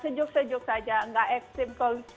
sejuk sejuk saja nggak ekstrim